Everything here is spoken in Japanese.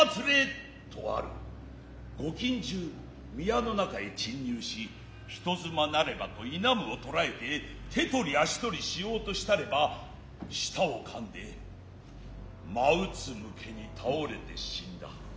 御近習宮の中へ闖入し人妻なればといなむを捕へて手取足取しようとしたれば舌を噛んで真俯向けに倒れて死んだ。